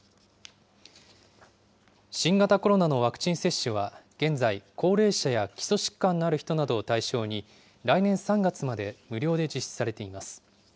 新型コロナのワクチン接種は現在、高齢者や基礎疾患のある人などを対象に、来年３月まで無料で実施されています。